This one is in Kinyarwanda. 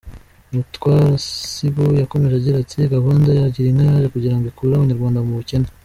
Mutwarasibo yakomeje agira ati “Gahunda ya Girinka yaje kugira ngo ikure Abanyarwanda mu bukene.